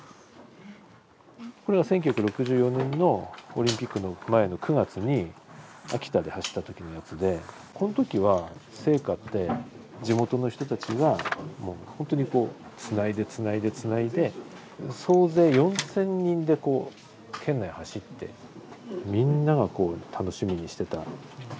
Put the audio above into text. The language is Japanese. これは１９６４年のオリンピックの前の９月に秋田で走った時のやつでこんときは聖火って地元の人たちがほんとにこうつないでつないでつないで総勢４，０００人でこう県内走ってみんながこう楽しみにしてた。